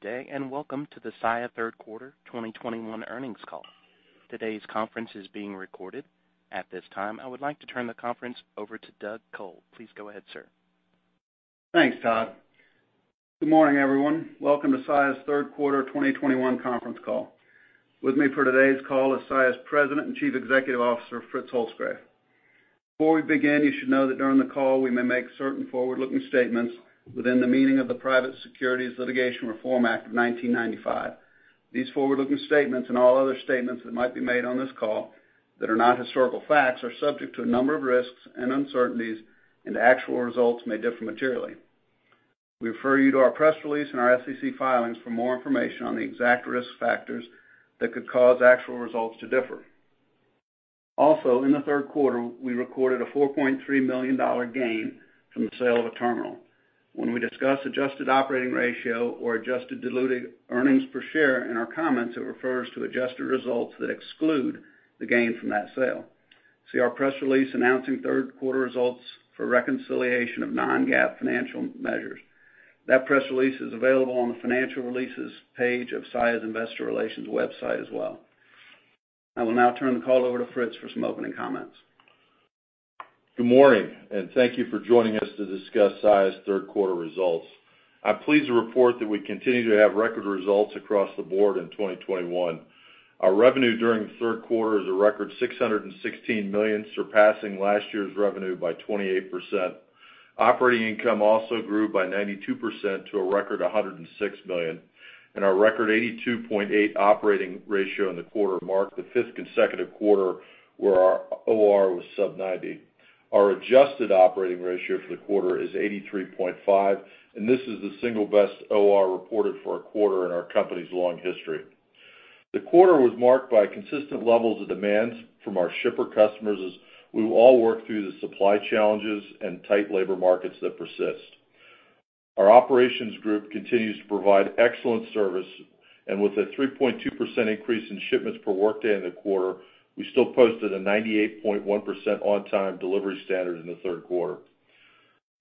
Good day, and welcome to the Saia Third Quarter 2021 Earnings Call. Today's conference is being recorded. At this time, I would like to turn the conference over to Douglas Col. Please go ahead, sir. Thanks, Todd. Good morning, everyone. Welcome to Saia's third quarter 2021 conference call. With me for today's call is Saia's President and Chief Executive Officer, Fritz Holzgrefe. Before we begin, you should know that during the call, we may make certain forward-looking statements within the meaning of the Private Securities Litigation Reform Act of 1995. These forward-looking statements and all other statements that might be made on this call that are not historical facts are subject to a number of risks and uncertainties, and actual results may differ materially. We refer you to our press release and our SEC filings for more information on the exact risk factors that could cause actual results to differ. Also, in the third quarter, we recorded a $4.3 million gain from the sale of a terminal. When we discuss adjusted operating ratio or adjusted diluted earnings per share in our comments, it refers to adjusted results that exclude the gain from that sale. See our press release announcing third quarter results for reconciliation of non-GAAP financial measures. That press release is available on the Financial Releases page of Saia's Investor Relations website as well. I will now turn the call over to Fritz for some opening comments. Good morning, and thank you for joining us to discuss Saia's third quarter results. I'm pleased to report that we continue to have record results across the board in 2021. Our revenue during the third quarter is a record $616 million, surpassing last year's revenue by 28%. Operating income also grew by 92% to a record $106 million. Our record 82.8 operating ratio in the quarter marked the fifth consecutive quarter where our OR was sub-ninety. Our adjusted operating ratio for the quarter is 83.5, and this is the single best OR reported for a quarter in our company's long history. The quarter was marked by consistent levels of demands from our shipper customers as we all work through the supply challenges and tight labor markets that persist. Our operations group continues to provide excellent service, and with a 3.2% increase in shipments per workday in the quarter, we still posted a 98.1% on-time delivery standard in the third quarter.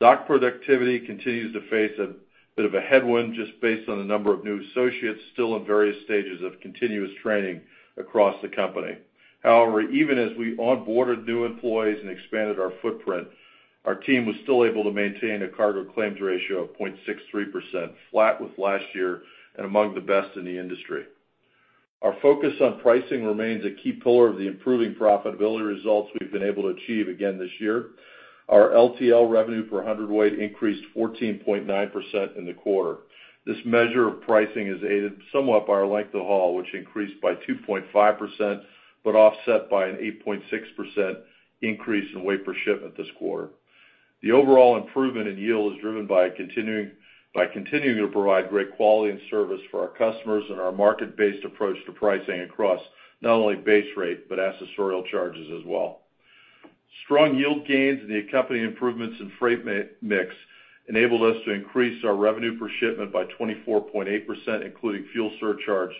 Dock productivity continues to face a bit of a headwind just based on the number of new associates still in various stages of continuous training across the company. However, even as we onboarded new employees and expanded our footprint, our team was still able to maintain a cargo claims ratio of 0.63%, flat with last year and among the best in the industry. Our focus on pricing remains a key pillar of the improving profitability results we've been able to achieve again this year. Our LTL revenue per hundredweight increased 14.9% in the quarter. This measure of pricing is aided somewhat by our length of haul, which increased by 2.5% but offset by an 8.6% increase in weight per shipment this quarter. The overall improvement in yield is driven by continuing to provide great quality and service for our customers and our market-based approach to pricing across not only base rate, but accessorial charges as well. Strong yield gains and the accompanying improvements in freight mix enabled us to increase our revenue per shipment by 24.8%, including fuel surcharge,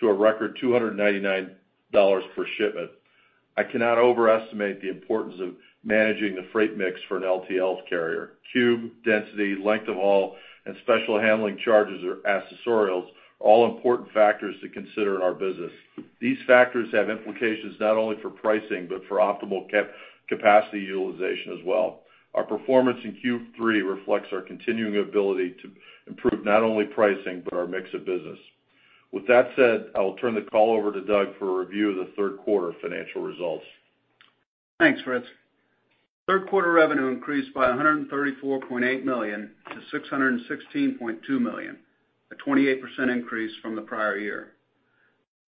to a record $299 per shipment. I cannot overestimate the importance of managing the freight mix for an LTL carrier. Cube, density, length of haul, and special handling charges or accessorials are all important factors to consider in our business. These factors have implications not only for pricing but for optimal capacity utilization as well. Our performance in Q3 reflects our continuing ability to improve not only pricing but our mix of business. With that said, I will turn the call over to Doug for a review of the third quarter financial results. Thanks, Fritz. Third quarter revenue increased by $134.8 million to $616.2 million, a 28% increase from the prior year.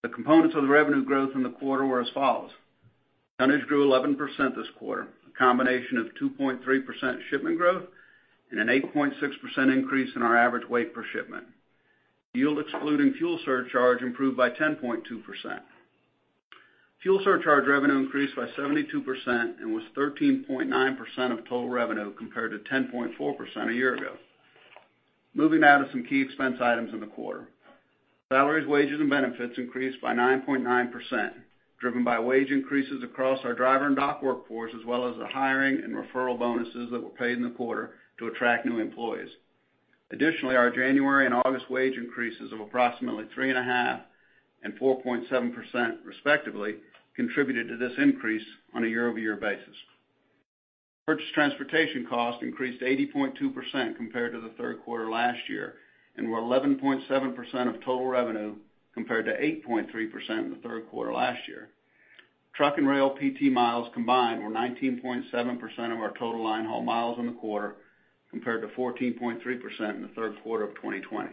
The components of the revenue growth in the quarter were as follows: tonnage grew 11% this quarter, a combination of 2.3% shipment growth and an 8.6% increase in our average weight per shipment. Yield excluding fuel surcharge improved by 10.2%. Fuel surcharge revenue increased by 72% and was 13.9% of total revenue compared to 10.4% a year ago. Moving now to some key expense items in the quarter. Salaries, wages, and benefits increased by 9.9%, driven by wage increases across our driver and dock workforce, as well as the hiring and referral bonuses that were paid in the quarter to attract new employees. Additionally, our January and August wage increases of approximately 3.5% and 4.7%, respectively, contributed to this increase on a year-over-year basis. Purchase transportation cost increased 80.2% compared to the third quarter last year and were 11.7% of total revenue, compared to 8.3% in the third quarter last year. Truck and rail PT miles combined were 19.7% of our total line haul miles in the quarter, compared to 14.3% in the third quarter of 2020.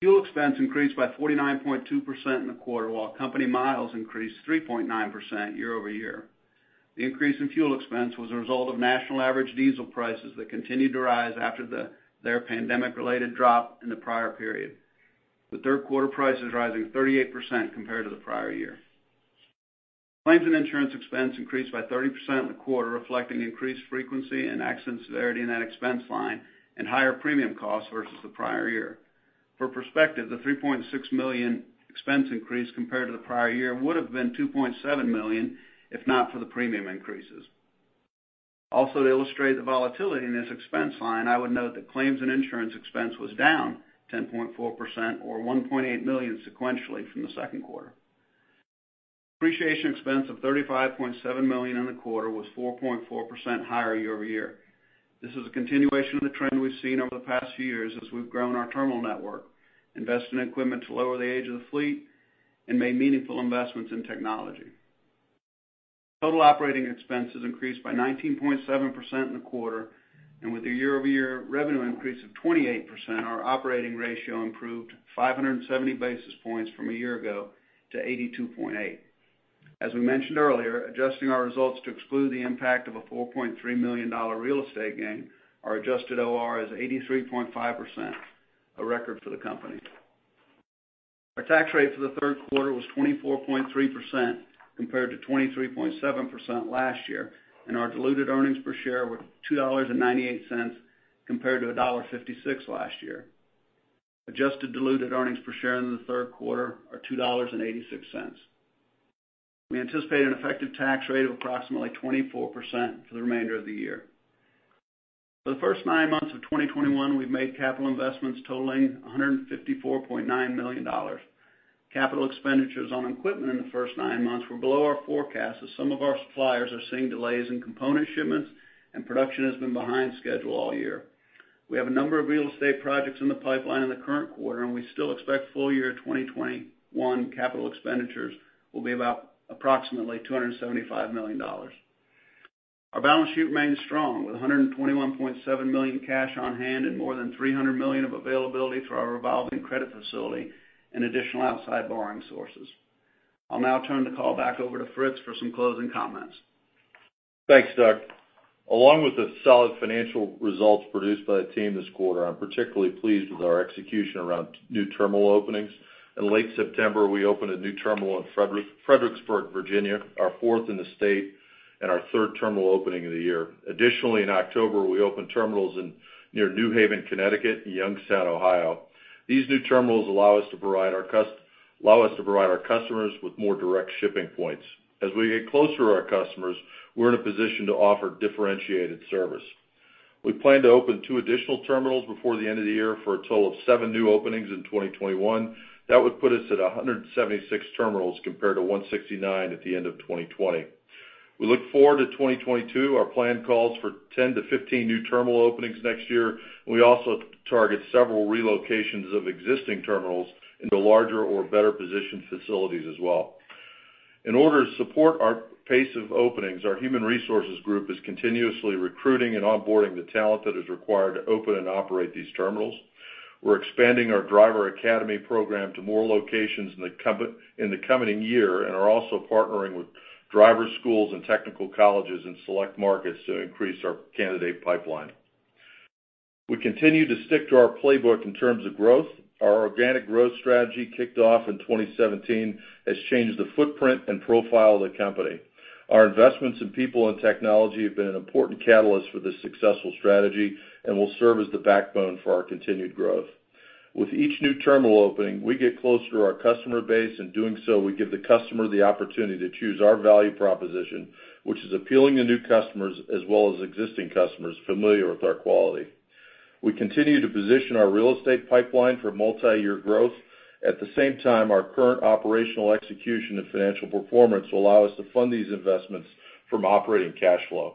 Fuel expense increased by 49.2% in the quarter, while company miles increased 3.9% year-over-year. The increase in fuel expense was a result of national average diesel prices that continued to rise after their pandemic-related drop in the prior period, with third quarter prices rising 38% compared to the prior year. Claims and insurance expense increased by 30% in the quarter, reflecting increased frequency and accident severity in that expense line and higher premium costs versus the prior year. For perspective, the $3.6 million expense increase compared to the prior year would have been $2.7 million if not for the premium increases. Also, to illustrate the volatility in this expense line, I would note that claims and insurance expense was down 10.4% or $1.8 million sequentially from the second quarter. Depreciation expense of $35.7 million in the quarter was 4.4% higher year-over-year. This is a continuation of the trend we've seen over the past few years as we've grown our terminal network, invested in equipment to lower the age of the fleet, and made meaningful investments in technology. Total operating expenses increased by 19.7% in the quarter, and with a year-over-year revenue increase of 28%, our operating ratio improved 570 basis points from a year ago to 82.8%. As we mentioned earlier, adjusting our results to exclude the impact of a $4.3 million real estate gain, our adjusted OR is 83.5%, a record for the company. Our tax rate for the third quarter was 24.3% compared to 23.7% last year, and our diluted earnings per share were $2.98 compared to $1.56 last year. Adjusted diluted earnings per share in the third quarter are $2.86. We anticipate an effective tax rate of approximately 24% for the remainder of the year. For the first nine months of 2021, we've made capital investments totaling $154.9 million. Capital expenditures on equipment in the first nine months were below our forecast, as some of our suppliers are seeing delays in component shipments and production has been behind schedule all year. We have a number of real estate projects in the pipeline in the current quarter, and we still expect full year 2021 capital expenditures will be about approximately $275 million. Our balance sheet remains strong with $121.7 million cash on hand and more than $300 million of availability through our revolving credit facility and additional outside borrowing sources. I'll now turn the call back over to Fritz for some closing comments. Thanks, Doug. Along with the solid financial results produced by the team this quarter, I'm particularly pleased with our execution around new terminal openings. In late September, we opened a new terminal in Fredericksburg, Virginia, our fourth in the state and our third terminal opening of the year. Additionally, in October, we opened terminals in North Haven, Connecticut, and Youngstown, Ohio. These new terminals allow us to provide our customers with more direct shipping points. As we get closer to our customers, we're in a position to offer differentiated service. We plan to open two additional terminals before the end of the year for a total of seven new openings in 2021. That would put us at 176 terminals compared to 169 at the end of 2020. We look forward to 2022. Our plan calls for 10-15 new terminal openings next year. We also target several relocations of existing terminals into larger or better-positioned facilities as well. In order to support our pace of openings, our human resources group is continuously recruiting and onboarding the talent that is required to open and operate these terminals. We're expanding our driver academy program to more locations in the coming year and are also partnering with driver schools and technical colleges in select markets to increase our candidate pipeline. We continue to stick to our playbook in terms of growth. Our organic growth strategy kicked off in 2017 has changed the footprint and profile of the company. Our investments in people and technology have been an important catalyst for this successful strategy and will serve as the backbone for our continued growth. With each new terminal opening, we get closer to our customer base. In doing so, we give the customer the opportunity to choose our value proposition, which is appealing to new customers as well as existing customers familiar with our quality. We continue to position our real estate pipeline for multiyear growth. At the same time, our current operational execution and financial performance will allow us to fund these investments from operating cash flow.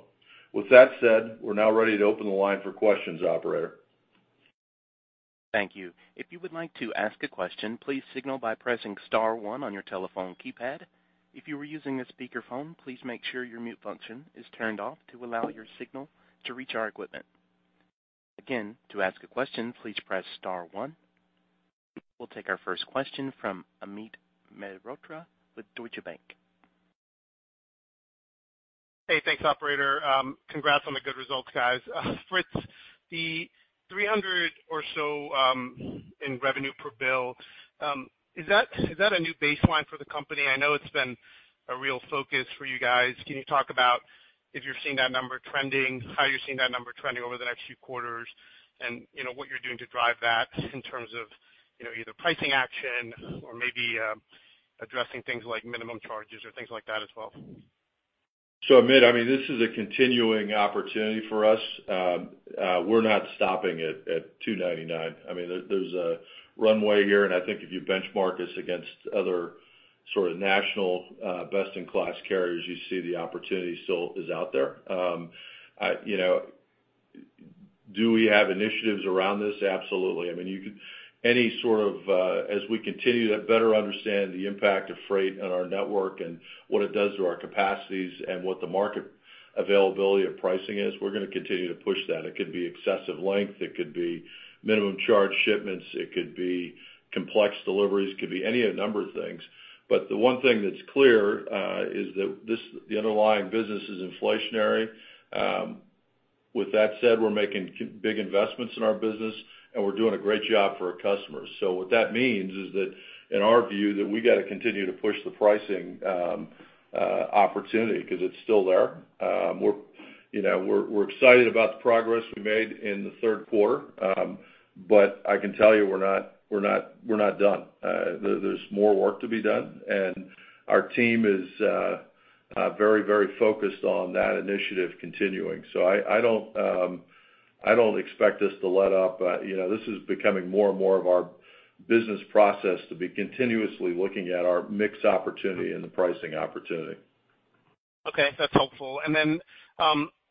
With that said, we're now ready to open the line for questions, operator. Thank you. If you would like to ask a question, please signal by pressing star one on your telephone keypad. If you are using a speakerphone, please make sure your mute function is turned off to allow your signal to reach our equipment. Again, to ask a question, please press star one. We'll take our first question from Amit Mehrotra with Deutsche Bank. Hey, thanks, operator. Congrats on the good results, guys. Fritz, the $300 or so in revenue per bill, is that a new baseline for the company? I know it's been a real focus for you guys. Can you talk about if you're seeing that number trending, how you're seeing that number trending over the next few quarters, and, you know, what you're doing to drive that in terms of, you know, either pricing action or maybe addressing things like minimum charges or things like that as well? Amit, I mean, this is a continuing opportunity for us. We're not stopping at $299. I mean, there's a runway here, and I think if you benchmark us against other sort of national best-in-class carriers, you see the opportunity still is out there. You know, do we have initiatives around this? Absolutely. As we continue to better understand the impact of freight on our network and what it does to our capacities and what the market availability of pricing is, we're gonna continue to push that. It could be excessive length, it could be minimum charge shipments, it could be complex deliveries, it could be any of a number of things. The one thing that's clear is that this, the underlying business is inflationary. With that said, we're making big investments in our business, and we're doing a great job for our customers. What that means is that in our view, that we got to continue to push the pricing opportunity because it's still there. We're, you know, excited about the progress we made in the third quarter. I can tell you we're not done. There's more work to be done, and our team is very focused on that initiative continuing. I don't expect this to let up. You know, this is becoming more and more of our business process to be continuously looking at our mix opportunity and the pricing opportunity. Okay. That's helpful. Then,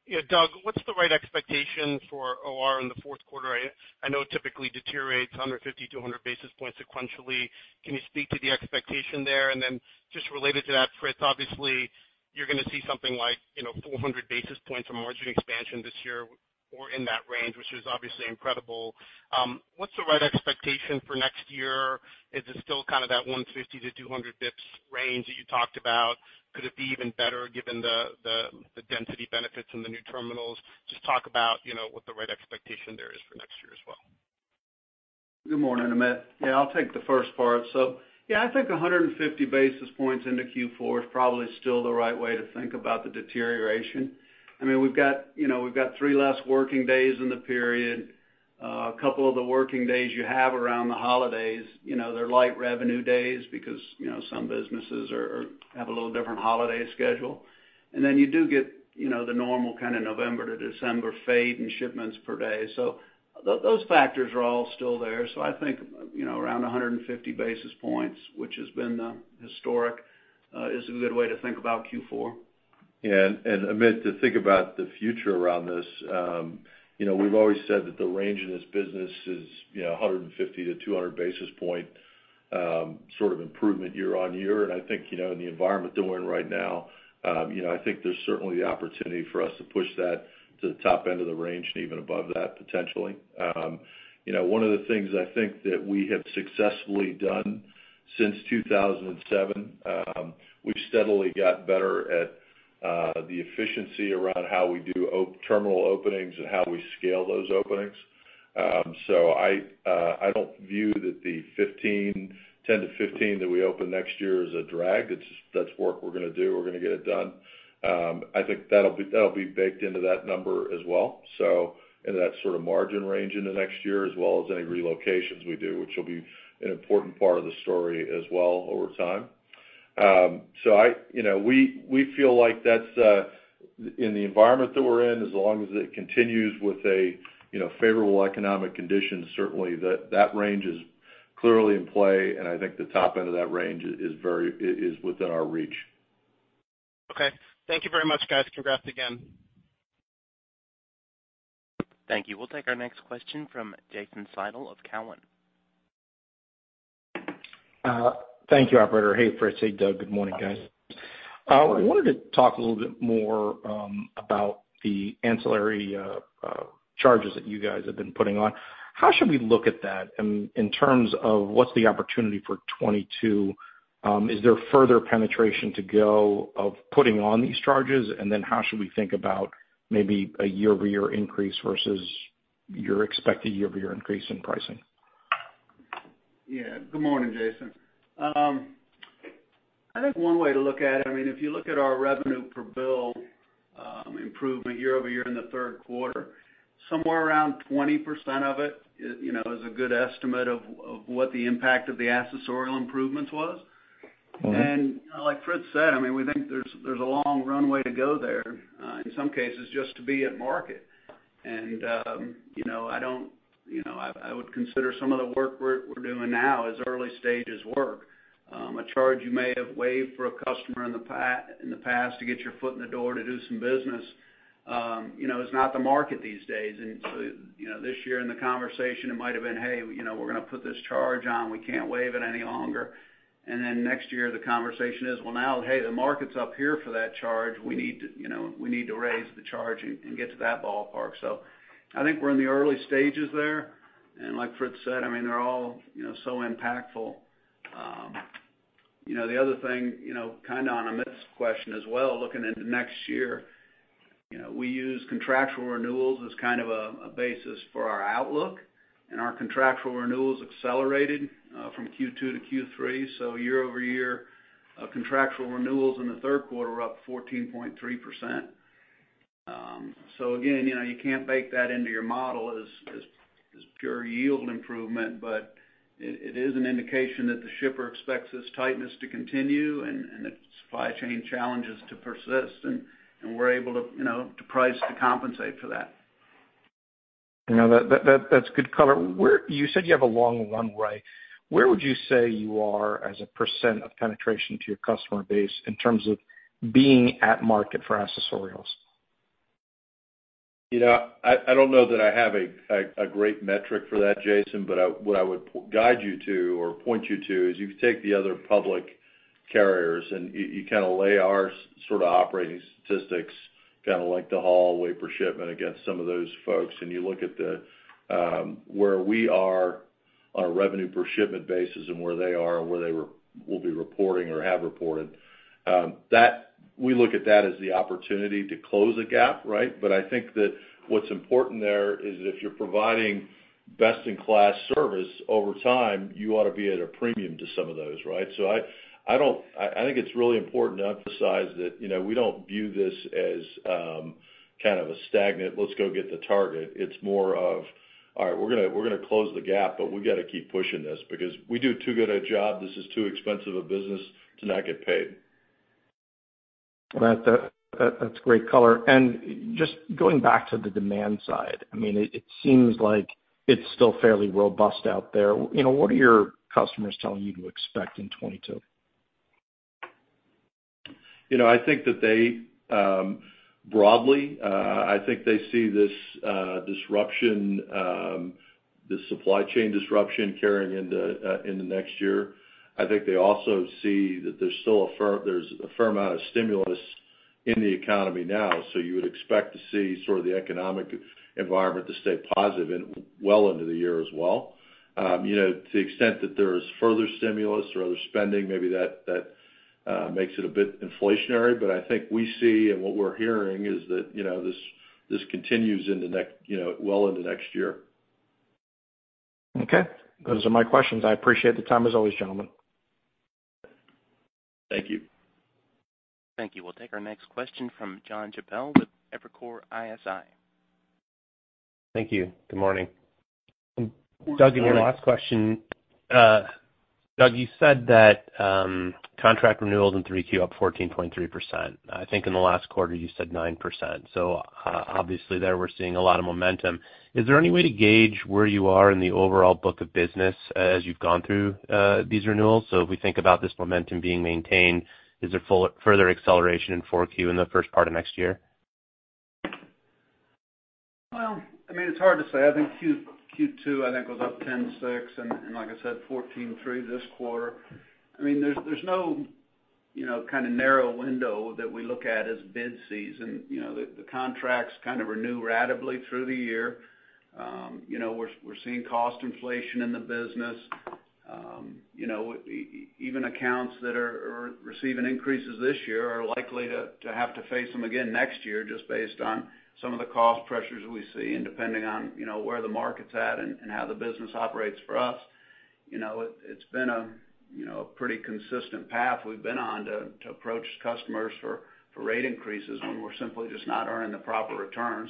yeah, Doug, what's the right expectation for OR in the fourth quarter? I know it typically deteriorates 150 to 100 basis points sequentially. Can you speak to the expectation there? Then just related to that, Fritz, obviously, you're gonna see something like, you know, 400 basis points of margin expansion this year or in that range, which is obviously incredible. What's the right expectation for next year? Is it still kind of that 150-200 basis points range that you talked about? Could it be even better given the density benefits in the new terminals? Just talk about, you know, what the right expectation there is for next year as well. Good morning, Amit. Yeah, I'll take the first part. Yeah, I think 150 basis points into Q4 is probably still the right way to think about the deterioration. I mean, we've got, you know, we've got three less working days in the period. A couple of the working days you have around the holidays, you know, they're light revenue days because, you know, some businesses have a little different holiday schedule. Then you do get, you know, the normal kind of November to December fade in shipments per day. Those factors are all still there. I think, you know, around 150 basis points, which has been the historic, is a good way to think about Q4. Amit, to think about the future around this, you know, we've always said that the range in this business is, you know, 150-200 basis points sort of improvement year-over-year. I think, you know, in the environment that we're in right now, you know, I think there's certainly the opportunity for us to push that to the top end of the range and even above that potentially. You know, one of the things I think that we have successfully done since 2007, we've steadily got better at the efficiency around how we do terminal openings and how we scale those openings. I don't view that the 10-15 that we open next year is a drag. It's just, that's work we're gonna do. We're gonna get it done. I think that'll be baked into that number as well. In that sort of margin range into next year as well as any relocations we do, which will be an important part of the story as well over time. You know, we feel like that's in the environment that we're in, as long as it continues with a you know favorable economic condition, certainly that range is clearly in play, and I think the top end of that range is very within our reach. Okay. Thank you very much, guys. Congrats again. Thank you. We'll take our next question from Jason Seidl of Cowen. Thank you, operator. Hey, Fritz. Hey, Doug. Good morning, guys. Good morning. Wanted to talk a little bit more about the ancillary charges that you guys have been putting on. How should we look at that in terms of what's the opportunity for 2022? Is there further penetration to go of putting on these charges? Then how should we think about maybe a year-over-year increase versus your expected year-over-year increase in pricing? Yeah. Good morning, Jason. I think one way to look at it, I mean, if you look at our revenue per bill improvement year over year in the third quarter, somewhere around 20% of it, you know, is a good estimate of what the impact of the accessorial improvements was. Mm-hmm. Like Fritz said, I mean, we think there's a long runway to go there, in some cases just to be at market. You know, I would consider some of the work we're doing now as early stages work. A charge you may have waived for a customer in the past to get your foot in the door to do some business, you know, is not the market these days. This year in the conversation, it might have been, "Hey, you know, we're gonna put this charge on. We can't waive it any longer." Next year, the conversation is, "Well, now, hey, the market's up here for that charge. We need to, you know, raise the charge and get to that ballpark." I think we're in the early stages there. Like Fritz said, I mean, they're all, you know, so impactful. You know, the other thing, you know, kinda on Amit's question as well, looking into next year, you know, we use contractual renewals as kind of a basis for our outlook, and our contractual renewals accelerated from Q2 to Q3. Year-over-year, contractual renewals in the third quarter were up 14.3%. Again, you know, you can't bake that into your model as pure yield improvement, but it is an indication that the shipper expects this tightness to continue and the supply chain challenges to persist, and we're able to, you know, to price to compensate for that. No. That's good color. You said you have a long runway. Where would you say you are as a % of penetration to your customer base in terms of being at market for accessorials? You know, I don't know that I have a great metric for that, Jason, but what I would guide you to or point you to is you could take the other public carriers, and you kinda lay our sort of operating statistics, kinda like the haulage for shipment against some of those folks. You look at where we are on a revenue per shipment basis and where they are and where they will be reporting or have reported. We look at that as the opportunity to close a gap, right? I think that what's important there is if you're providing best-in-class service over time, you ought to be at a premium to some of those, right? I think it's really important to emphasize that, you know, we don't view this as kind of a stagnant, let's go get the target. It's more of, all right, we're gonna close the gap, but we've got to keep pushing this because we do too good a job. This is too expensive a business to not get paid. That's great color. Just going back to the demand side, I mean, it seems like it's still fairly robust out there. You know, what are your customers telling you to expect in 2022? You know, I think that they, broadly, I think they see this, disruption, the supply chain disruption carrying into, in the next year. I think they also see that there's still a fair amount of stimulus in the economy now, so you would expect to see sort of the economic environment to stay positive well into the year as well. You know, to the extent that there's further stimulus or other spending, maybe that makes it a bit inflationary. I think we see and what we're hearing is that, you know, this continues in the next, you know, well into next year. Okay. Those are my questions. I appreciate the time as always, gentlemen. Thank you. Thank you. We'll take our next question from Jon Chappell with Evercore ISI. Thank you. Good morning. Good morning. Doug, in your last question, you said that contract renewals in Q3 up 14.3%. I think in the last quarter, you said 9%. Obviously, therefore, we're seeing a lot of momentum. Is there any way to gauge where you are in the overall book of business as you've gone through these renewals? If we think about this momentum being maintained, is there further acceleration in Q4 in the first part of next year? Well, I mean, it's hard to say. I think Q2 was up 10.6%, and like I said, 14.3% this quarter. I mean, there's no, you know, kind of narrow window that we look at as bid season. You know, the contracts kind of renew ratably through the year. You know, we're seeing cost inflation in the business. You know, even accounts that are receiving increases this year are likely to have to face them again next year just based on some of the cost pressures we see, and depending on, you know, where the market's at and how the business operates for us. You know, it's been a, you know, pretty consistent path we've been on to approach customers for rate increases when we're simply just not earning the proper return.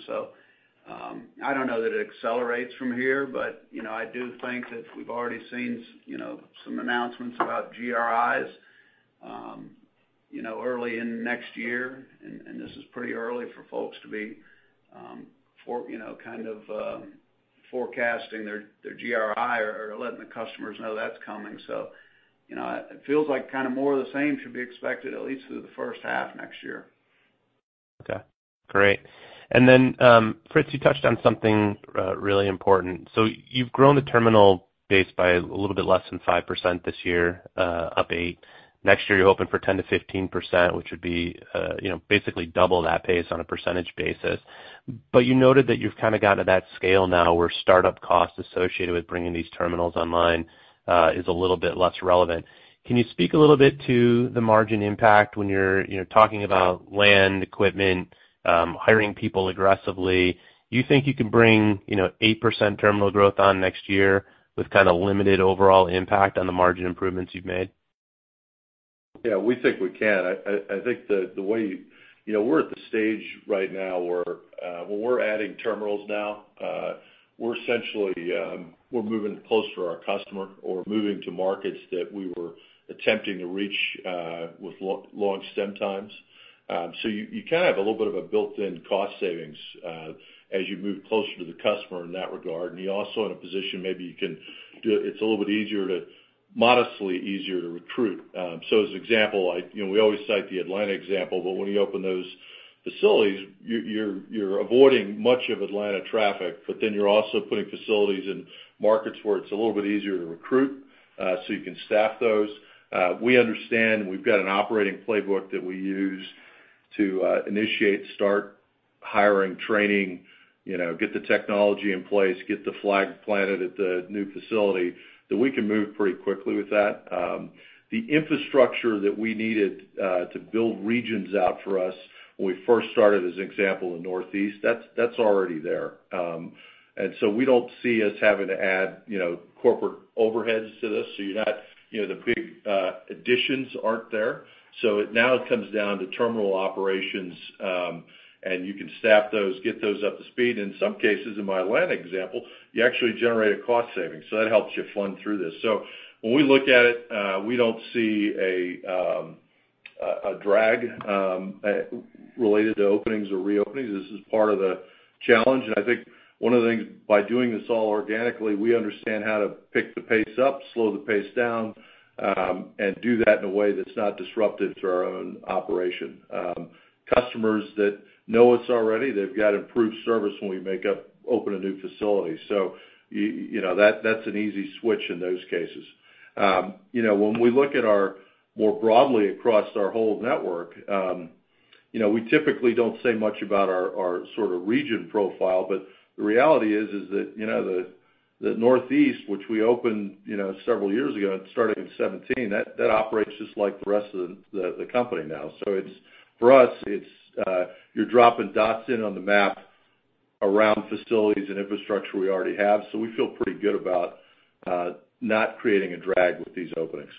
I don't know that it accelerates from here, but you know, I do think that we've already seen you know, some announcements about GRIs you know, early in next year. This is pretty early for folks to be you know, kind of forecasting their GRI or letting the customers know that's coming. You know, it feels like kind of more of the same should be expected at least through the first half next year. Okay. Great. Fritz, you touched on something really important. You've grown the terminal base by a little bit less than 5% this year, up 8%. Next year, you're hoping for 10%-15%, which would be, you know, basically double that pace on a percentage basis. You noted that you've kind of got to that scale now where start-up costs associated with bringing these terminals online is a little bit less relevant. Can you speak a little bit to the margin impact when you're talking about land, equipment, hiring people aggressively? You think you can bring, you know, 8% terminal growth in next year with kind of limited overall impact on the margin improvements you've made? Yeah, we think we can. I think the way you know we're at the stage right now where when we're adding terminals now we're essentially moving closer to our customer or moving to markets that we were attempting to reach with long transit times. So you kind of have a little bit of a built-in cost savings as you move closer to the customer in that regard. You're also in a position maybe you can do it. It's a little bit modestly easier to recruit. So as an example, like, you know, we always cite the Atlanta example, but when you open those facilities, you're avoiding much of Atlanta traffic, but then you're also putting facilities in markets where it's a little bit easier to recruit so you can staff those. We understand we've got an operating playbook that we use to initiate, start hiring, training, you know, get the technology in place, get the flag planted at the new facility, that we can move pretty quickly with that. The infrastructure that we needed to build regions out for us when we first started, as an example, in Northeast, that's already there. We don't see us having to add, you know, corporate overheads to this. You're not, you know, the big additions aren't there. It now comes down to terminal operations, and you can staff those, get those up to speed. In some cases, in my Atlanta example, you actually generate a cost savings, so that helps you fund through this. When we look at it, we don't see a drag related to openings or reopenings. This is part of the challenge. I think one of the things by doing this all organically, we understand how to pick the pace up, slow the pace down, and do that in a way that's not disruptive to our own operation. Customers that know us already, they've got improved service when we open a new facility. You know, that's an easy switch in those cases. You know, when we look at it more broadly across our whole network, you know, we typically don't say much about our sort of regional profile, but the reality is that, you know, the Northeast, which we opened, you know, several years ago and starting in 2017, that operates just like the rest of the company now. For us, it's you're dropping dots in on the map around facilities and infrastructure we already have, so we feel pretty good about not creating a drag with these openings.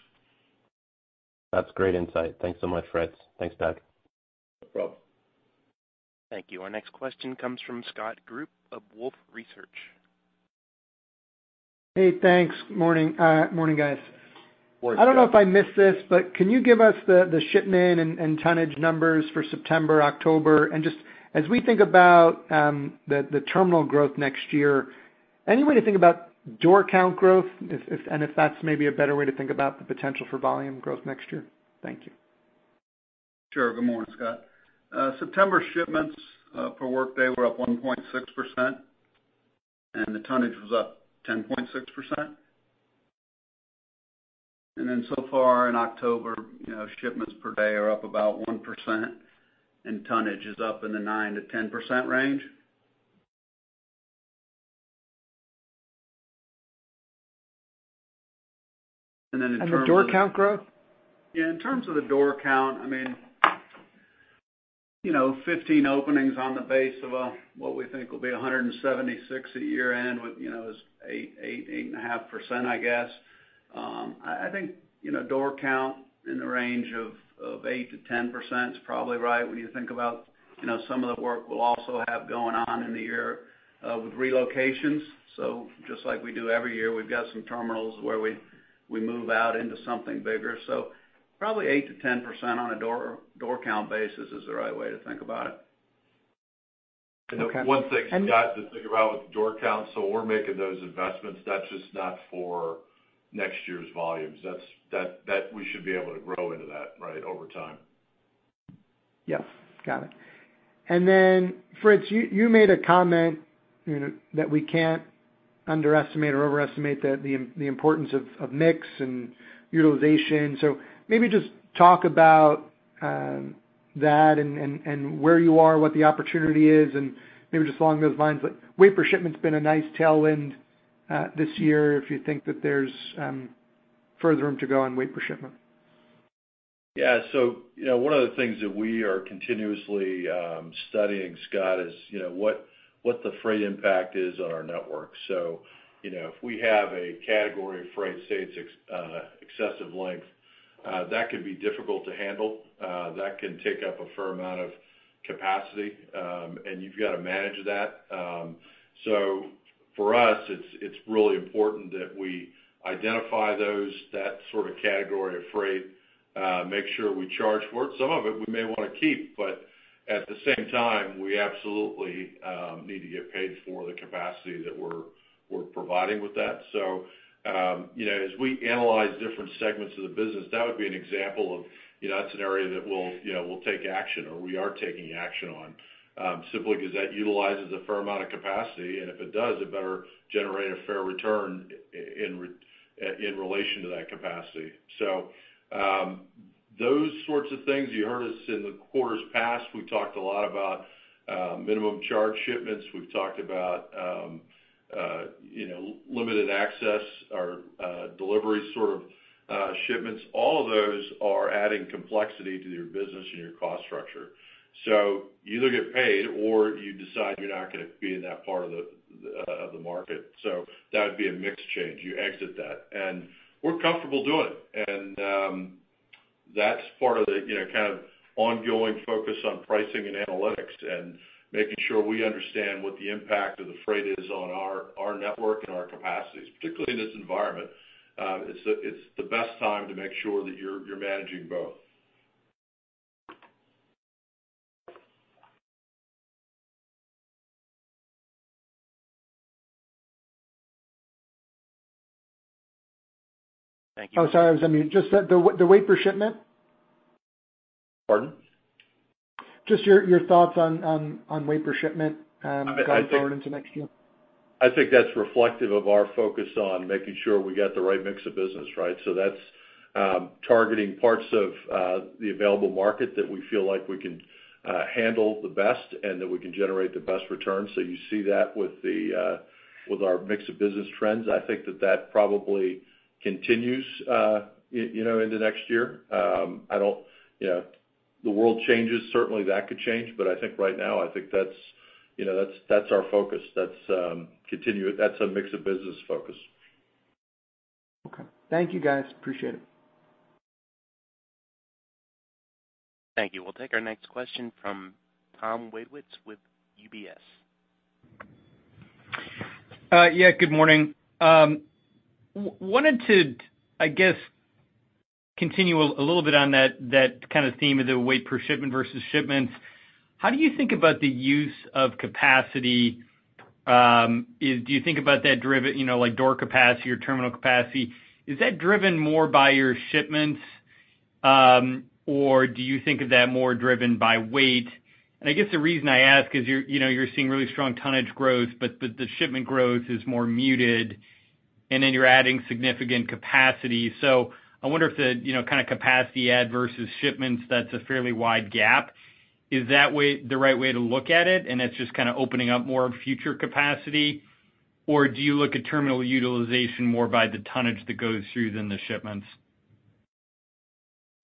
That's great insight. Thanks so much, Fritz. Thanks, Doug. No problem. Thank you. Our next question comes from Scott Group of Wolfe Research. Hey, thanks. Morning, guys. Morning, Scott. I don't know if I missed this, but can you give us the shipment and tonnage numbers for September, October? Just as we think about the terminal growth next year, any way to think about door count growth if and if that's maybe a better way to think about the potential for volume growth next year? Thank you. Sure. Good morning, Scott. September shipments per workday were up 1.6%, and the tonnage was up 10.6%. Then so far in October, you know, shipments per day are up about 1%, and tonnage is up in the 9%-10% range. Then in terms of- The door count growth? Yeah, in terms of the door count, I mean, you know, 15 openings on the base of what we think will be 176 at year-end, which is 8.5%, I guess. I think, you know, door count in the range of 8%-10% is probably right when you think about, you know, some of the work we'll also have going on in the year with relocations. Just like we do every year, we've got some terminals where we move out into something bigger. Probably 8%-10% on a door count basis is the right way to think about it. Okay. One thing, Scott, to think about with door count, so we're making those investments, that's just not for next year's volumes. That's that we should be able to grow into that, right, over time. Yes. Got it. Fritz, you made a comment, you know, that we can't underestimate or overestimate the importance of mix and utilization. Maybe just talk about that and where you are, what the opportunity is, and maybe just along those lines. Weight per shipment's been a nice tailwind this year, if you think that there's further room to go on weight per shipment. Yeah. You know, one of the things that we are continuously studying, Scott, is, you know, what the freight impact is on our network. You know, if we have a category of freight, say, it's excessive length, that can be difficult to handle, that can take up a fair amount of capacity, and you've got to manage that. For us, it's really important that we identify those, that sort of category of freight, make sure we charge for it. Some of it we may wanna keep, but at the same time, we absolutely need to get paid for the capacity that we're providing with that. You know, as we analyze different segments of the business, that would be an example of, you know, that's an area that we'll take action or we are taking action on. Simply because that utilizes a fair amount of capacity, and if it does, it better generate a fair return in relation to that capacity. Those sorts of things, you heard us in past quarters, we talked a lot about minimum charge shipments. We've talked about you know, limited access, our delivery sort of shipments. All of those are adding complexity to your business and your cost structure. You either get paid or you decide you're not gonna be in that part of the market. That would be a mixed change. You exit that. We're comfortable doing it. That's part of the kind of ongoing focus on pricing and analytics and making sure we understand what the impact of the freight is on our network and our capacities. Particularly in this environment, it's the best time to make sure that you're managing both. Thank you. Oh, sorry, I was on mute. Just that the weight per shipment? Pardon? Just your thoughts on weight per shipment going forward into next year? I think that's reflective of our focus on making sure we get the right mix of business, right? That's targeting parts of the available market that we feel like we can handle the best and that we can generate the best return. You see that with our mix of business trends. I think that probably continues, you know, into next year. You know, the world changes. Certainly, that could change. I think right now, I think that's, you know, that's our focus. That's our mix of business focus. Okay. Thank you, guys. Appreciate it. Thank you. We'll take our next question from Tom Wadewitz with UBS. Yeah, good morning. Wanted to, I guess, continue a little bit on that kind of theme of the weight per shipment versus shipments. How do you think about the use of capacity? Do you think about that, you know, like door capacity or terminal capacity, is that driven more by your shipments? Or do you think of that more driven by weight? I guess the reason I ask is you know, you're seeing really strong tonnage growth, but the shipment growth is more muted, and then you're adding significant capacity. I wonder if you know, kind of capacity add versus shipments, that's a fairly wide gap. Is that way the right way to look at it, and it's just kinda opening up more future capacity? Do you look at terminal utilization more by the tonnage that goes through than the shipments?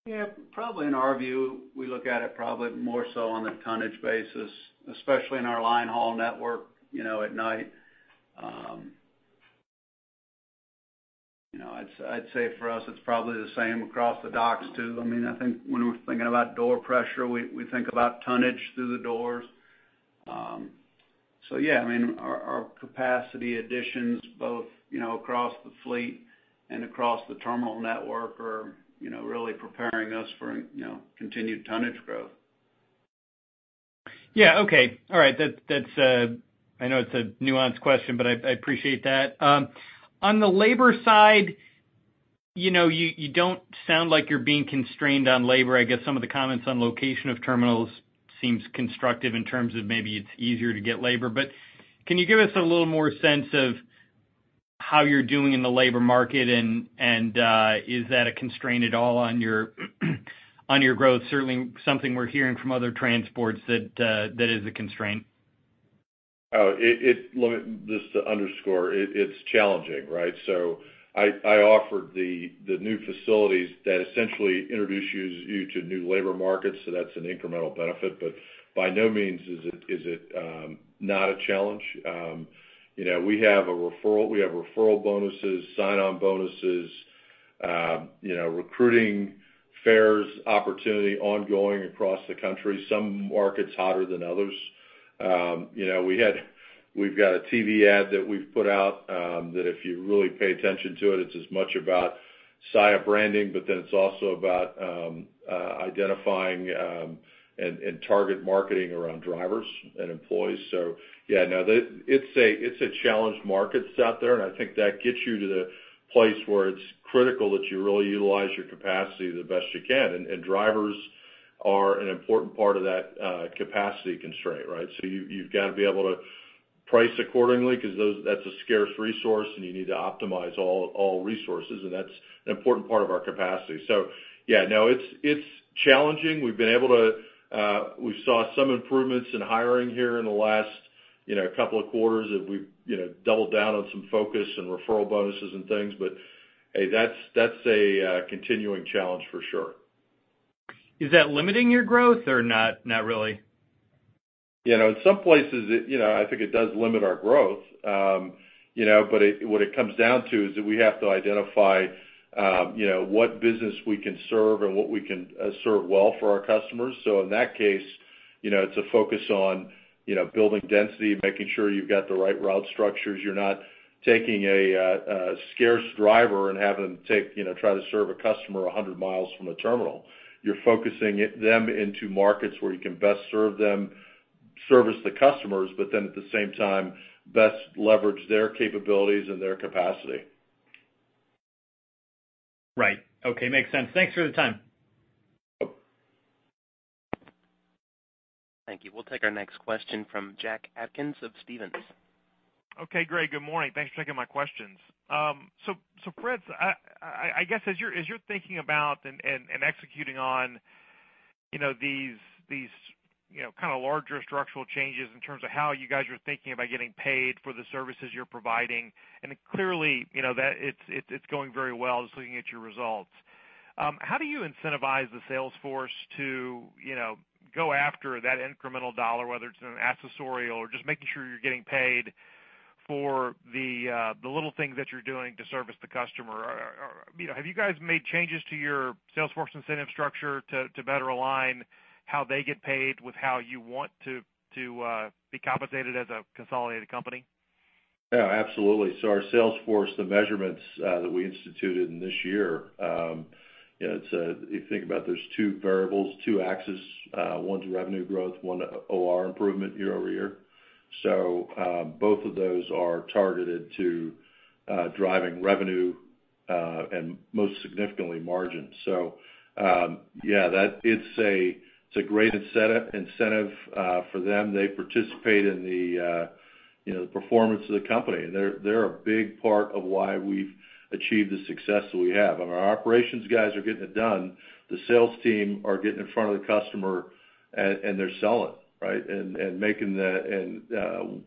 Yeah. Probably in our view, we look at it probably more so on a tonnage basis, especially in our line haul network, you know, at night. You know, I'd say for us, it's probably the same across the docks too. I mean, I think when we're thinking about door pressure, we think about tonnage through the doors. Yeah, I mean, our capacity additions both, you know, across the fleet and across the terminal network are, you know, really preparing us for, you know, continued tonnage growth. Yeah. Okay. All right. That's, I know it's a nuanced question, but I appreciate that. On the labor side, you know, you don't sound like you're being constrained on labor. I guess some of the comments on location of terminals seems constructive in terms of maybe it's easier to get labor. But can you give us a little more sense of how you're doing in the labor market and is that a constraint at all on your growth? Certainly, something we're hearing from other transports that is a constraint. Let me just underscore. It's challenging, right? I offered the new facilities that essentially introduce you to new labor markets, so that's an incremental benefit. By no means is it not a challenge. You know, we have referral bonuses, sign-on bonuses, you know, recruiting fairs, opportunity ongoing across the country, some markets hotter than others. You know, we've got a TV ad that we've put out, that if you really pay attention to it's as much about Saia branding, but then it's also about identifying and target marketing around drivers and employees. Yeah, no, it's a challenged market that's out there, and I think that gets you to the place where it's critical that you really utilize your capacity the best you can. Drivers are an important part of that capacity constraint, right? You've got to be able to price accordingly because those that's a scarce resource, and you need to optimize all resources, and that's an important part of our capacity. Yeah, no, it's challenging. We've been able to we saw some improvements in hiring here in the last you know couple of quarters, and we you know doubled down on some focus and referral bonuses and things. Hey, that's a continuing challenge for sure. Is that limiting your growth or not really? You know, in some places, it, you know, I think it does limit our growth. You know, but what it comes down to is that we have to identify, you know, what business we can serve and what we can serve well for our customers. In that case, you know, it's a focus on, you know, building density, making sure you've got the right route structures. You're not taking a scarce driver and having them take, you know, try to serve a customer 100 miles from the terminal. You're focusing them into markets where you can best serve them, service the customers, but then at the same time, best leverage their capabilities and their capacity. Right. Okay. Makes sense. Thanks for the time. Yep. Thank you. We'll take our next question from Jack Atkins of Stephens. Okay, great. Good morning. Thanks for taking my questions. Fritz, I guess as you're thinking about and executing on, you know, these, you know, kind of larger structural changes in terms of how you guys are thinking about getting paid for the services you're providing, and clearly, you know, that it's going very well just looking at your results. How do you incentivize the sales force to, you know, go after that incremental dollar, whether it's an accessorial or just making sure you're getting paid for the little things that you're doing to service the customer? Or, you know, have you guys made changes to your sales force incentive structure to better align how they get paid with how you want to be compensated as a consolidated company? Yeah, absolutely. Our sales force, the measurements that we instituted in this year, you know, if you think about those two variables, two axes, one to revenue growth, one OR improvement year-over-year. Both of those are targeted to driving revenue and most significantly, margin. Yeah, it's a great incentive for them. They participate in the, you know, the performance of the company. They're a big part of why we've achieved the success that we have. Our operations guys are getting it done. The sales team are getting in front of the customer, and they're selling, right, and making and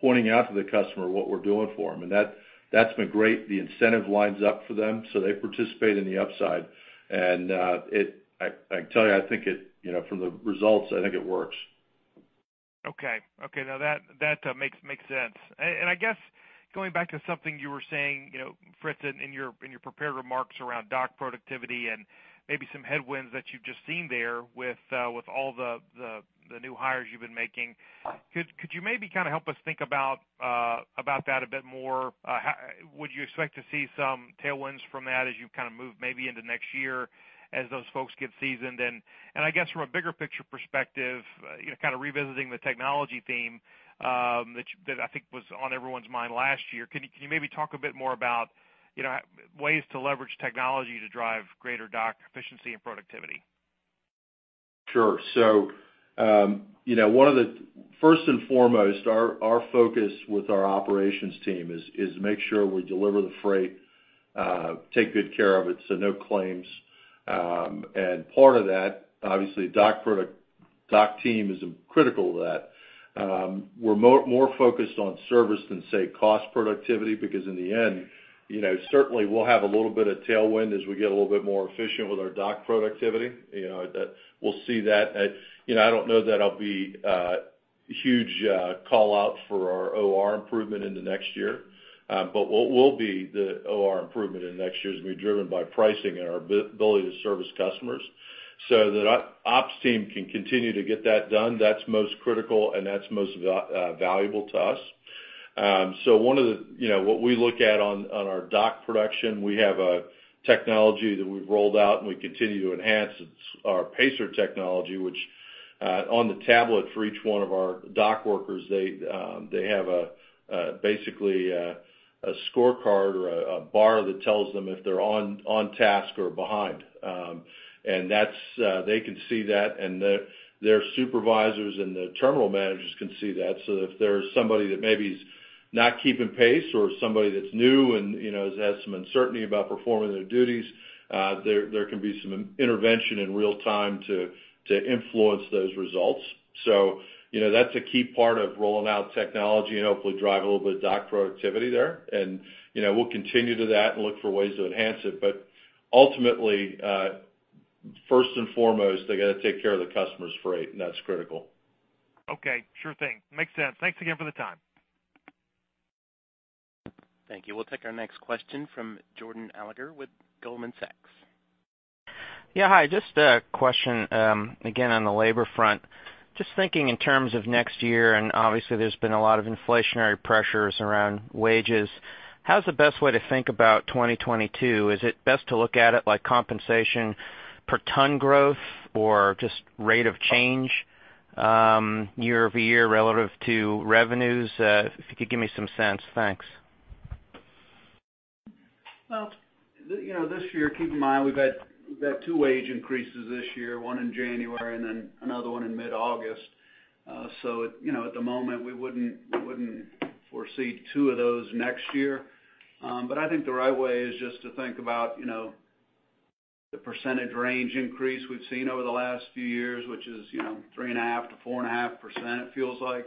pointing out to the customer what we're doing for them. That's been great. The incentive lines up for them, so they participate in the upside. I can tell you, I think it, you know, from the results, I think it works. Okay. No, that makes sense. I guess going back to something you were saying, you know, Fritz, in your prepared remarks around dock productivity and maybe some headwinds that you've just seen there with all the new hires you've been making. Could you maybe kind of help us think about that a bit more? Would you expect to see some tailwinds from that as you kind of move maybe into next year as those folks get seasoned? I guess from a bigger picture perspective, you know, kind of revisiting the technology theme, that I think was on everyone's mind last year, can you maybe talk a bit more about, you know, ways to leverage technology to drive greater dock efficiency and productivity? Sure. You know, first and foremost, our focus with our operations team is to make sure we deliver the freight, take good care of it, so no claims. Part of that, obviously, dock team is critical to that. We're more focused on service than, say, cost productivity, because in the end, you know, certainly we'll have a little bit of tailwind as we get a little bit more efficient with our dock productivity. You know, that we'll see that. You know, I don't know that it'll be a huge call out for our OR improvement in the next year. What will be the OR improvement in next year is gonna be driven by pricing and our ability to service customers. That our ops team can continue to get that done, that's most critical and that's most valuable to us. One of the, you know, what we look at on our dock production, we have a technology that we've rolled out, and we continue to enhance. It's our Pacer technology, which on the tablet for each one of our dock workers, they have basically a scorecard or a bar that tells them if they're on task or behind. They can see that and their supervisors and the terminal managers can see that. If there's somebody that maybe is not keeping pace or somebody that's new and, you know, has had some uncertainty about performing their duties, there can be some intervention in real time to influence those results. You know, that's a key part of rolling out technology and hopefully drive a little bit of dock productivity there. You know, we'll continue to do that and look for ways to enhance it. Ultimately, first and foremost, they got to take care of the customer's freight, and that's critical. Okay, sure thing. Makes sense. Thanks again for the time. Thank you. We'll take our next question from Jordan Alliger with Goldman Sachs. Yeah, hi. Just a question, again, on the labor front. Just thinking in terms of next year, and obviously there's been a lot of inflationary pressures around wages. How's the best way to think about 2022? Is it best to look at it like compensation per ton growth or just rate of change, year-over-year relative to revenues? If you could give me some sense. Thanks. Well, you know, this year, keep in mind, we've had two wage increases this year, one in January and then another one in mid-August. You know, at the moment, we wouldn't foresee two of those next year. I think the right way is just to think about, you know, the percentage range increase we've seen over the last few years, which is, you know, 3.5%-4.5%, it feels like,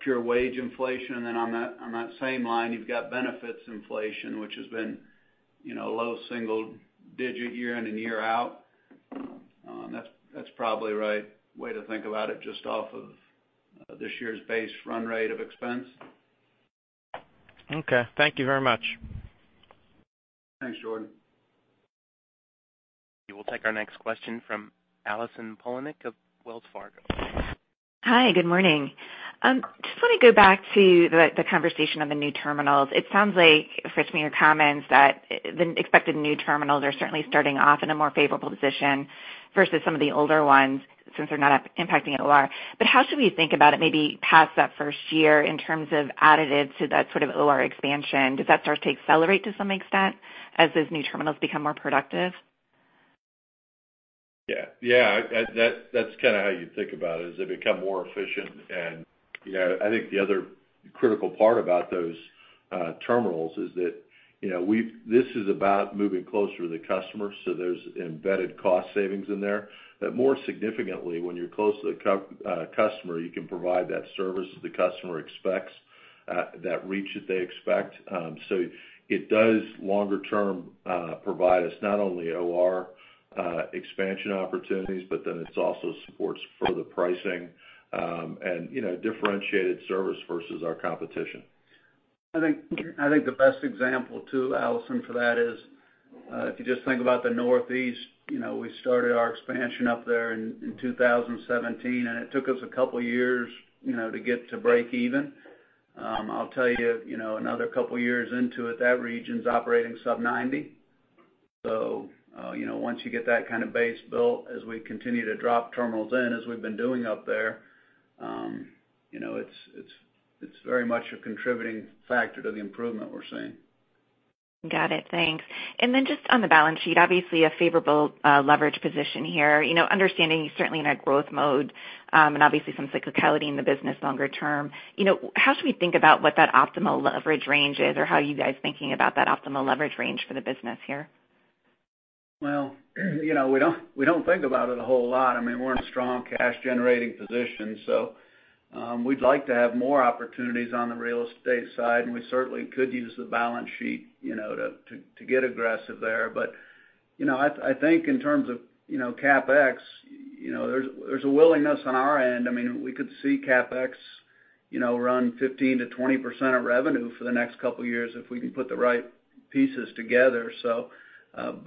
pure wage inflation. On that same line, you've got benefits inflation, which has been, you know, low single digit year in year out. That's probably right way to think about it just off of this year's base run rate of expense. Okay. Thank you very much. Thanks, Jordan. We'll take our next question from Allison Poliniak of Wells Fargo. Hi, good morning. Just want to go back to the conversation on the new terminals. It sounds like, from your comments that, the expected new terminals are certainly starting off in a more favorable position versus some of the older ones since they're not impacting it a lot. But how should we think about it maybe past that first year in terms of additive to that sort of OR expansion? Does that start to accelerate to some extent as those new terminals become more productive? Yeah. That's kind of how you think about it, is they become more efficient. You know, I think the other critical part about those terminals is that this is about moving closer to the customer, so there's embedded cost savings in there. More significantly, when you're close to the customer, you can provide that service the customer expects, that reach that they expect. It does longer term provide us not only OR expansion opportunities, but it also supports further pricing and, you know, differentiated service versus our competition. I think the best example too, Allison, for that is if you just think about the Northeast, you know, we started our expansion up there in 2017, and it took us a couple of years, you know, to get to break even. I'll tell you know, another couple of years into it, that region's operating sub 90. You know, once you get that kind of base built, as we continue to drop terminals in, as we've been doing up there, you know, it's very much a contributing factor to the improvement we're seeing. Got it. Thanks. Just on the balance sheet, obviously a favorable leverage position here. You know, understanding you're certainly in a growth mode, and obviously some cyclicality in the business longer term, you know, how should we think about what that optimal leverage range is, or how are you guys thinking about that optimal leverage range for the business here? Well, you know, we don't think about it a whole lot. I mean, we're in a strong cash generating position, so we'd like to have more opportunities on the real estate side, and we certainly could use the balance sheet, you know, to get aggressive there. You know, I think in terms of, you know, CapEx, you know, there's a willingness on our end. I mean, we could see CapEx, you know, run 15%-20% of revenue for the next couple of years if we can put the right pieces together.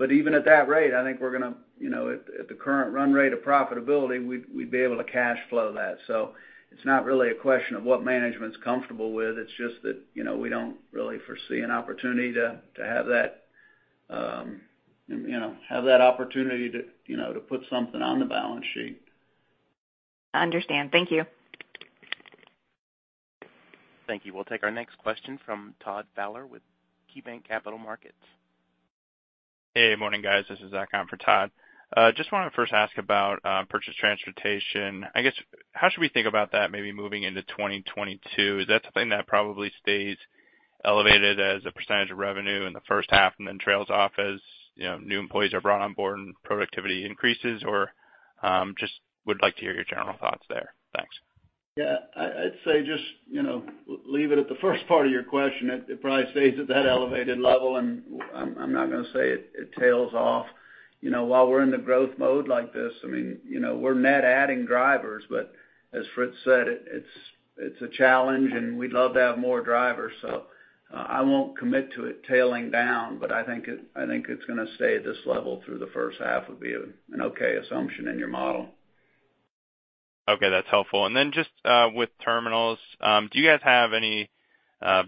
Even at that rate, I think we're gonna, you know, at the current run rate of profitability, we'd be able to cash flow that. It's not really a question of what management's comfortable with. It's just that, you know, we don't really foresee an opportunity to have that opportunity to, you know, to put something on the balance sheet. Understand. Thank you. Thank you. We'll take our next question from Todd Fowler with KeyBanc Capital Markets. Hey, morning, guys. This is Zach on for Todd. Just want to first ask about purchased transportation. I guess, how should we think about that maybe moving into 2022? Is that something that probably stays elevated as a percentage of revenue in the first half and then trails off as, you know, new employees are brought on board and productivity increases? Or, just would like to hear your general thoughts there. Thanks. Yeah. I'd say just, you know. Leave it at the first part of your question. It probably stays at that elevated level, and I'm not gonna say it tails off. You know, while we're in the growth mode like this, I mean, you know, we're net adding drivers. As Fritz said, it's a challenge, and we'd love to have more drivers. I won't commit to it tailing down, but I think it's gonna stay at this level through the first half would be an okay assumption in your model. Okay, that's helpful. Then just with terminals, do you guys have any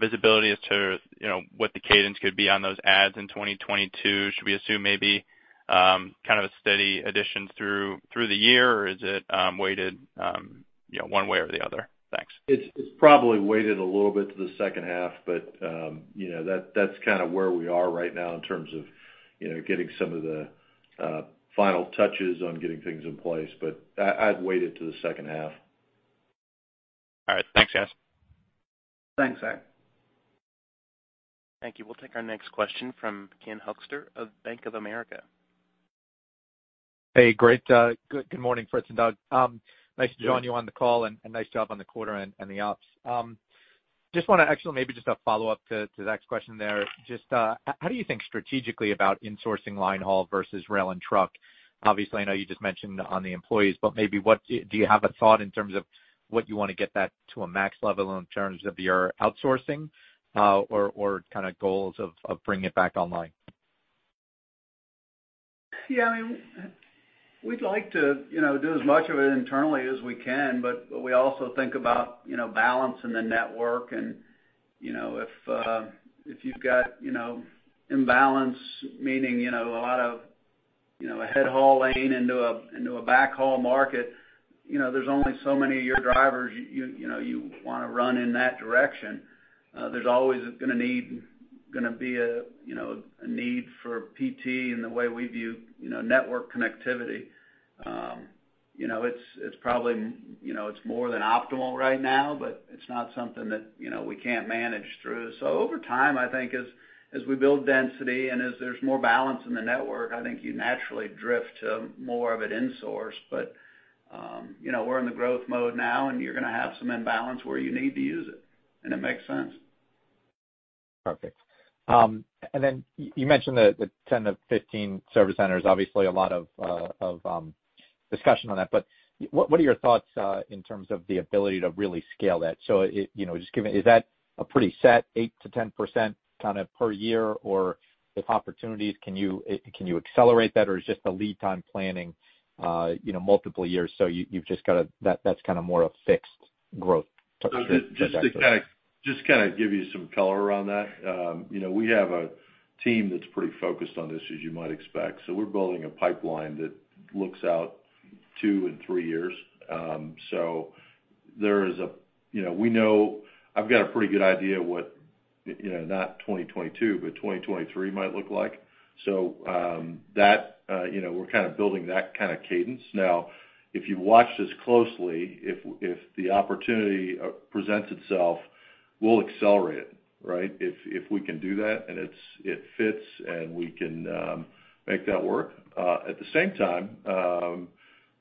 visibility as to, you know, what the cadence could be on those adds in 2022? Should we assume maybe kind of a steady addition through the year, or is it weighted, you know, one way or the other? Thanks. It's probably weighted a little bit to the second half, but you know, that's kind of where we are right now in terms of you know, getting some of the final touches on getting things in place. I'd weight it to the second half. All right. Thanks, guys. Thanks, Zach. Thank you. We'll take our next question from Ken Hoexter of Bank of America. Hey, great, good morning, Fritz and Doug. Nice to join you on the call, and nice job on the quarter and the ops. Just wanna actually maybe just a follow-up to Zach's question there. How do you think strategically about insourcing line haul versus rail and truck? Obviously, I know you just mentioned on the employees, but maybe what do you have a thought in terms of what you wanna get that to a max level in terms of your outsourcing, or kind of goals of bringing it back online? Yeah, I mean, we'd like to, you know, do as much of it internally as we can, but we also think about, you know, balance in the network and, you know, if you've got, you know, imbalance, meaning, you know, a lot of, you know, a head haul lane into a back haul market, you know, there's only so many of your drivers you know you wanna run in that direction. There's always gonna be a, you know, a need for PT in the way we view, you know, network connectivity. You know, it's probably, you know, it's more than optimal right now, but it's not something that, you know, we can't manage through. Over time, I think as we build density and as there's more balance in the network, I think you naturally drift to more of an insource. You know, we're in the growth mode now, and you're gonna have some imbalance where you need to use it, and it makes sense. Perfect. You mentioned the 10-15 service centers. Obviously, a lot of discussion on that. What are your thoughts in terms of the ability to really scale that? Just give me, is that a pretty set 8%-10% kind of per year? If opportunities, can you accelerate that, or is just the lead time planning multiple years, you've just got a. That's kind of more a fixed growth type- Just to kind of give you some color around that. You know, we have a team that's pretty focused on this, as you might expect. We're building a pipeline that looks out two and three years. You know, we know I've got a pretty good idea what, you know, not 2022, but 2023 might look like. That, you know, we're kind of building that kind of cadence. Now, if you watch this closely, if the opportunity presents itself, we'll accelerate it, right? If we can do that, and it fits, and we can make that work. At the same time,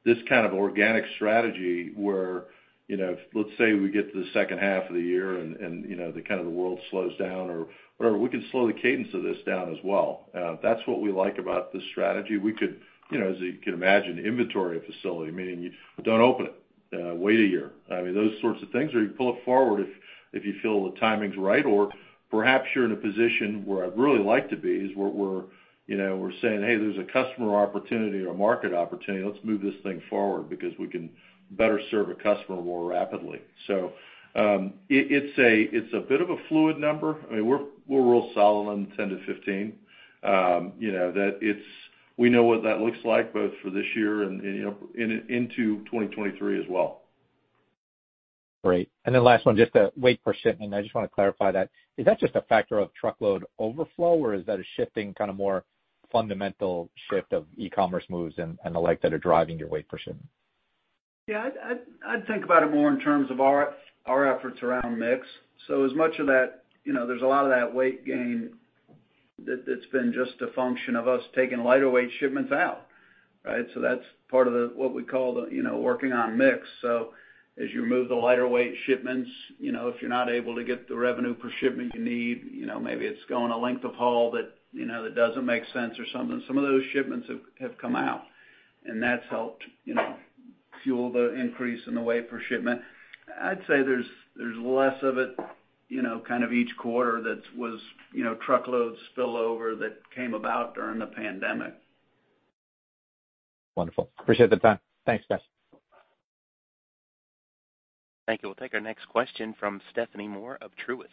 this kind of organic strategy where, you know, let's say we get to the second half of the year and, you know, the world slows down or whatever, we can slow the cadence of this down as well. That's what we like about this strategy. We could, you know, as you can imagine, inventory a facility, meaning you don't open it. Wait a year. I mean, those sorts of things, or you pull it forward if you feel the timing's right. Or perhaps you're in a position where I'd really like to be, is where we're saying, "Hey, there's a customer opportunity or market opportunity. Let's move this thing forward because we can better serve a customer more rapidly." It's a bit of a fluid number. I mean, we're real solid on 10-15. You know that it's. We know what that looks like both for this year and you know into 2023 as well. Great. Last one, just the weight per shipment. I just want to clarify that. Is that just a factor of truckload overflow, or is that a shifting kind of more fundamental shift of e-commerce moves and the like that are driving your weight per shipment? Yeah, I'd think about it more in terms of our efforts around mix. As much of that, you know, there's a lot of that weight gain that's been just a function of us taking lighter weight shipments out, right? That's part of what we call the, you know, working on mix. As you remove the lighter weight shipments, you know, if you're not able to get the revenue per shipment you need, you know, maybe it's going a length of haul that, you know, doesn't make sense or something. Some of those shipments have come out, and that's helped, you know, fuel the increase in the weight per shipment. I'd say there's less of it, you know, kind of each quarter that was, you know, truckload spillover that came about during the pandemic. Wonderful. Appreciate the time. Thanks, guys. Thank you. We'll take our next question from Stephanie Moore of Truist.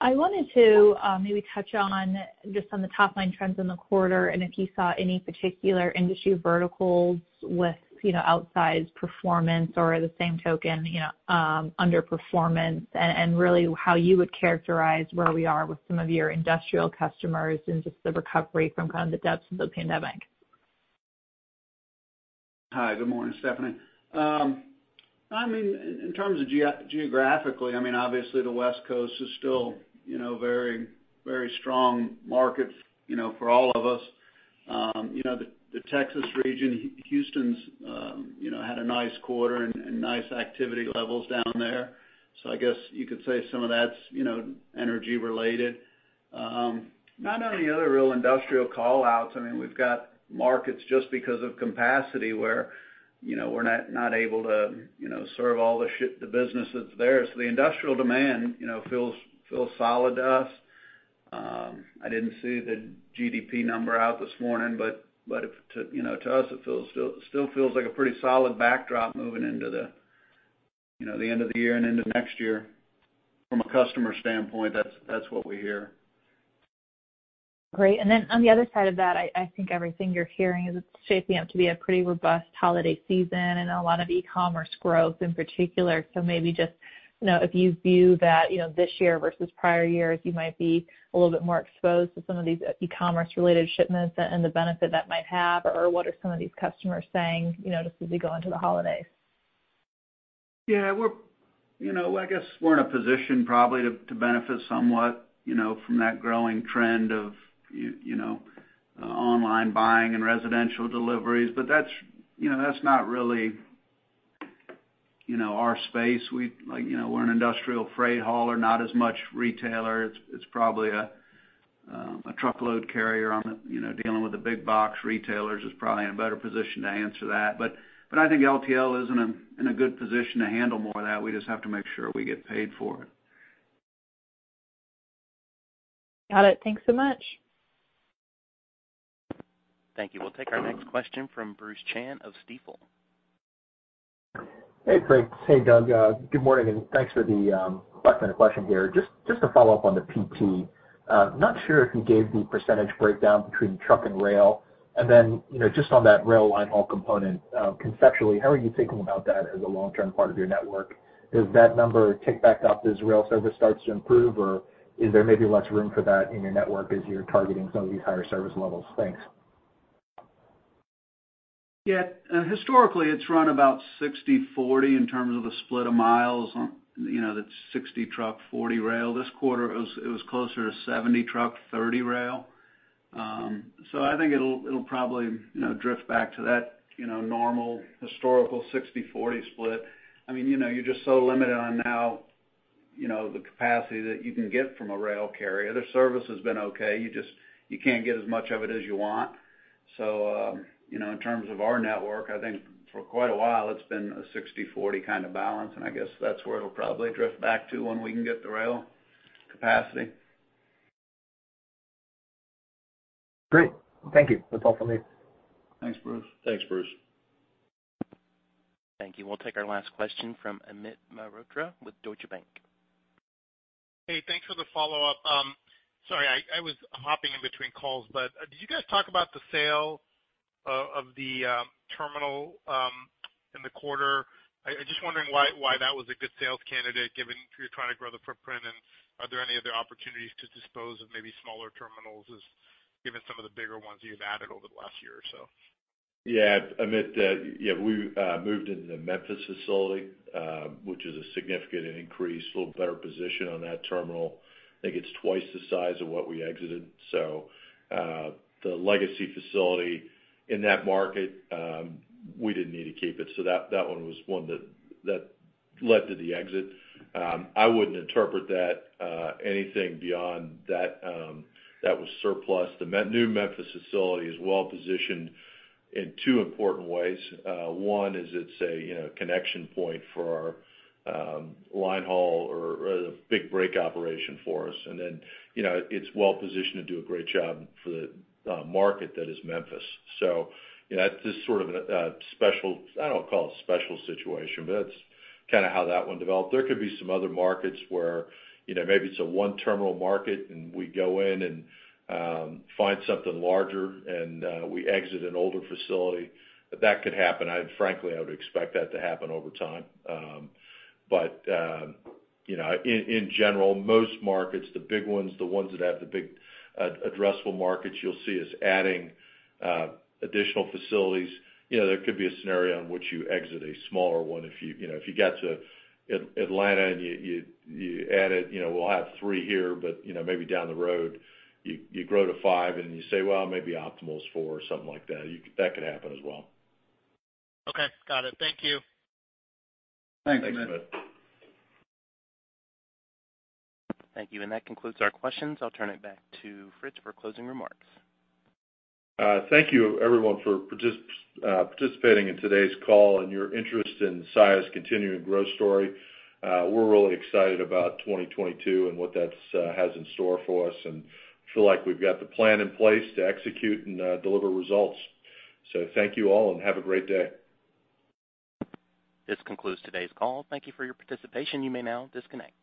I wanted to maybe touch on just on the top line trends in the quarter and if you saw any particular industry verticals with, you know, outsized performance or the same token, you know, underperformance, and really how you would characterize where we are with some of your industrial customers and just the recovery from kind of the depths of the pandemic? Hi, good morning, Stephanie. I mean, in terms of geographically, I mean, obviously, the West Coast is still, you know, very strong market, you know, for all of us. You know, the Texas region, Houston's, you know, had a nice quarter and nice activity levels down there. So I guess you could say some of that's, you know, energy related. Not on any other real industrial call-outs. I mean, we've got markets just because of capacity where, you know, we're not able to, you know, serve all the business that's there. So the industrial demand, you know, feels solid to us. I didn't see the GDP number out this morning, but to us, you know, it still feels like a pretty solid backdrop moving into the end of the year and into next year. From a customer standpoint, that's what we hear. Great. Then on the other side of that, I think everything you're hearing is it's shaping up to be a pretty robust holiday season and a lot of e-commerce growth in particular. Maybe just, you know, if you view that, you know, this year versus prior years, you might be a little bit more exposed to some of these e-commerce related shipments and the benefit that might have, or what are some of these customers saying, you know, just as we go into the holidays? Yeah, we're, you know, I guess we're in a position probably to benefit somewhat, you know, from that growing trend of you know online buying and residential deliveries. That's, you know, that's not really, you know, our space. We like, you know, we're an industrial freight hauler, not as much retailer. It's probably a truckload carrier on the, you know, dealing with the big box retailers is probably in a better position to answer that. I think LTL is in a good position to handle more of that. We just have to make sure we get paid for it. Got it. Thanks so much. Thank you. We'll take our next question from Bruce Chan of Stifel. Hey, Fritz. Hey, Doug. Good morning, and thanks for the five-minute question here. Just to follow up on the PT, not sure if you gave the percentage breakdown between truck and rail. You know, just on that rail line haul component, conceptually, how are you thinking about that as a long-term part of your network? Does that number tick back up as rail service starts to improve or is there maybe less room for that in your network as you're targeting some of these higher service levels? Thanks. Yeah. Historically, it's run about 60/40 in terms of the split of miles on, you know, that's 60 truck, 40 rail. This quarter, it was closer to 70 truck, 30 rail. I think it'll probably, you know, drift back to that, you know, normal historical 60/40 split. I mean, you know, you're just so limited on how, you know, the capacity that you can get from a rail carrier. The service has been okay. You just, you can't get as much of it as you want. In terms of our network, I think for quite a while it's been a 60/40 kind of balance, and I guess that's where it'll probably drift back to when we can get the rail capacity. Great. Thank you. That's all for me. Thanks, Bruce. Thanks, Bruce. Thank you. We'll take our last question from Amit Mehrotra with Deutsche Bank. Hey, thanks for the follow-up. Sorry, I was hopping in between calls, but did you guys talk about the sale of the terminal in the quarter? I'm just wondering why that was a good sales candidate given you're trying to grow the footprint, and are there any other opportunities to dispose of maybe smaller terminals, given some of the bigger ones you've added over the last year or so? Yeah. Amit, yeah, we moved into the Memphis facility, which is a significant increase, a little better position on that terminal. I think it's twice the size of what we exited. The legacy facility in that market, we didn't need to keep it. That one was one that led to the exit. I wouldn't interpret that, anything beyond that was surplus. The new Memphis facility is well positioned in two important ways. One is it's a, you know, connection point for, line haul or the big break operation for us. Then, you know, it's well positioned to do a great job for the market that is Memphis. You know, that's just sort of a special. I don't call it a special situation, but that's kinda how that one developed. There could be some other markets where, you know, maybe it's a one terminal market and we go in and find something larger and we exit an older facility. That could happen. I frankly would expect that to happen over time. You know, in general, most markets, the big ones, the ones that have the big addressable markets you'll see is adding additional facilities. You know, there could be a scenario in which you exit a smaller one if you. You know, if you got to Atlanta and you added, you know, we'll have three here, but you know, maybe down the road, you grow to five and you say, "Well, maybe optimal is four," or something like that. That could happen as well. Okay. Got it. Thank you. Thanks, Amit. Thanks, Amit. Thank you. That concludes our questions. I'll turn it back to Fritz for closing remarks. Thank you everyone for participating in today's call and your interest in Saia's continuing growth story. We're really excited about 2022 and what that has in store for us, and feel like we've got the plan in place to execute and deliver results. Thank you all, and have a great day. This concludes today's call. Thank you for your participation. You may now disconnect.